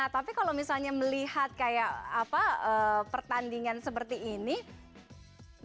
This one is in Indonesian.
tapi kalau misalnya melihat kayak apa pertandingan seperti ini